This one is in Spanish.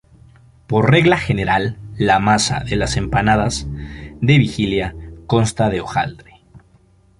Por regla general la masa de las empanadas de vigilia consta de hojaldre.